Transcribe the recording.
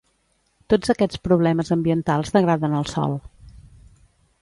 Tots aquests problemes ambientals degraden el sòl.